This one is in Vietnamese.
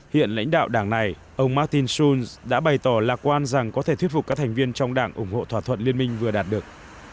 hiện lãnh đạo đảng này ông martin sul đã bày tỏ lạc quan rằng có thể thuyết phục các thành viên trong đảng ủng hộ thỏa thuận liên minh vừa đạt được